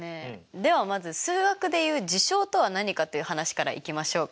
ではまず数学で言う「事象」とは何かという話からいきましょうか。